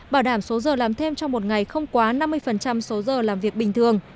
bảo đảm số giờ làm thêm trong một ngày không quá năm mươi số giờ làm việc bình thường